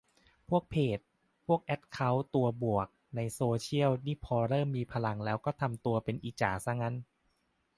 พวกเพจ พวกแอคเคาท์ตัวบวกในโซเชียลนี่พอเริ่มมีพลังแล้วก็ทำตัวเป็นอีจ่าซะงั้น